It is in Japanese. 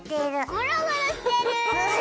ゴロゴロしてる！